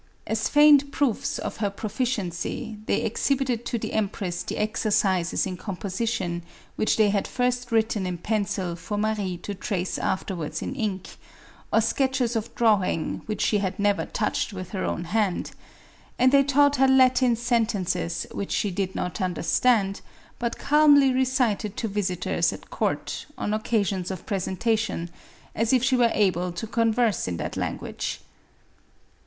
As feigned proofs of her proficiency, they exhibited to the empress the exercises in composition which they had first written in pencil for Marie to trace afterwards in ink, or sketches of drawing which she had never touched with her own hand ; and they taught her Latin sentences which she did not understand, but calmly recited to visitors at court, on occasions of presentation, as if she were able to converse in that language.